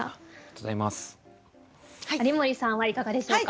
有森さんはいかがでしょうか？